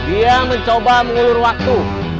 dia mencoba mengelur waktu